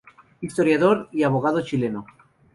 Historiador y abogado chileno.